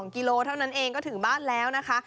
กิโลเท่านั้นเองก็ถึงบ้านแล้วนะคะ